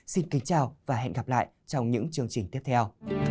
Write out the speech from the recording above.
xin kính chào và hẹn gặp lại trong những chương trình tiếp theo